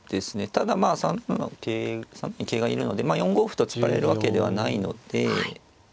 ただまあ３七に桂がいるので４五歩と突かれるわけではないので。